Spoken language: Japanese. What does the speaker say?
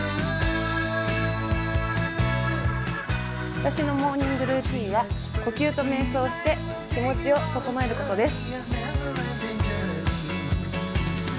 私のモーニングルーチンは呼吸とめい想をして気持ちを整えることです。